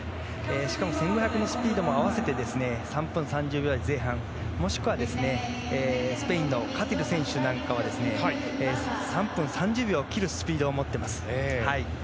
しかもスピードも含めて３分３０秒台前半もしくはスペインのカティル選手なんかは３分３０秒を切るスピードを持っています。